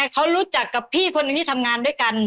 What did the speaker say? เขารู้จักกับพี่คนหนึ่งที่ทำงานด้วยกัน